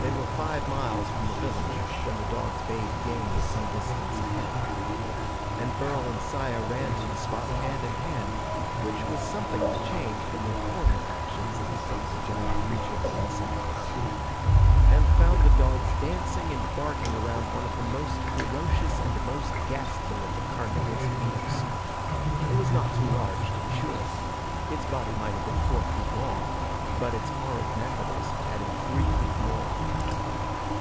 They were five miles from the village when the dogs bayed game some distance ahead. And Burl and Saya ran to the spot hand in hand which was something of a change from their former actions at the thought of a giant creature of the insect kind and found the dogs dancing and barking around one of the most ferocious and most ghastly of the carnivorous beetles. It was not too large, to be sure. Its body might have been four feet long, but its horrid mandibles added three feet more.